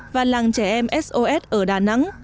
và làng trẻ em sos ở đà nẵng